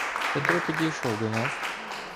Петро підійшов до нас.